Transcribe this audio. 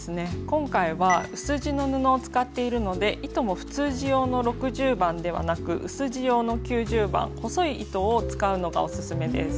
今回は薄地の布を使っているので糸も普通地用の６０番ではなく薄地用の９０番細い糸を使うのがオススメです。